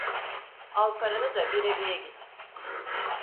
Al paranı da bir ebeye git!